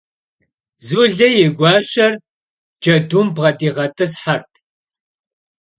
Zule a guaşer cedum bğediğet'ıshert.